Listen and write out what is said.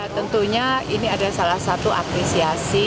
tentunya ini adalah salah satu apresiasi